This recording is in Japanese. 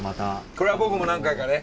これは僕も何回かね